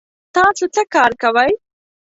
تاسو څه کار کوئ؟